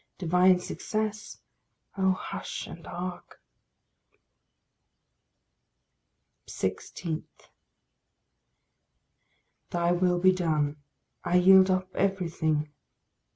Divine success Oh, hush and hark! 16. Thy will be done. I yield up everything.